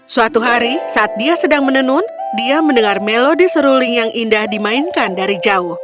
suatu hari saat dia sedang menenun dia mendengar melodi seruling yang indah dimainkan dari jauh